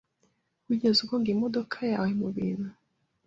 Wigeze ugonga imodoka yawe mubintu?